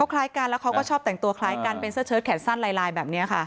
คล้ายกันแล้วเขาก็ชอบแต่งตัวคล้ายกันเป็นเสื้อเชิดแขนสั้นลายแบบนี้ค่ะ